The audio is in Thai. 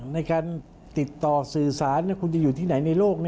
ในการติดต่อสื่อสารคุณจะอยู่ที่ไหนในโลก